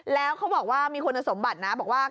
แล้วเขาบอกว่ามีควรสมบัตินะ